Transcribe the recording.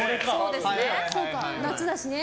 夏だしね。